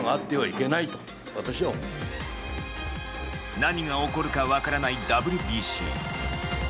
何が起こるか分からないＷＢＣ。